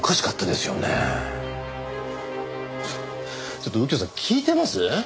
ちょっと右京さん聞いてます？